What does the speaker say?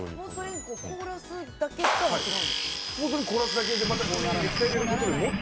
凍らせるだけとは違うんですね。